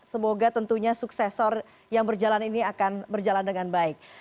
semoga tentunya suksesor yang berjalan ini akan berjalan dengan baik